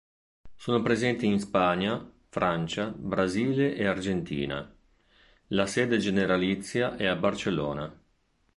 Sono presenti in Spagna, Francia, Brasile e Argentina; la sede generalizia è a Barcellona.